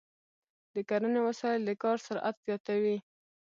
د کرنې وسایل د کار سرعت زیاتوي.